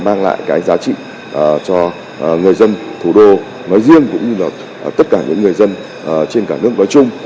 mang lại cái giá trị cho người dân thủ đô nói riêng cũng như là tất cả những người dân trên cả nước nói chung